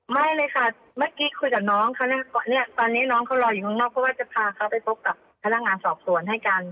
ไม่เลยค่ะเมื่อกี้คุยกับน้องเขาเนี่ยตอนนี้น้องเขารออยู่ข้างนอกเพราะว่าจะพาเขาไปพบกับพนักงานสอบสวนให้กัน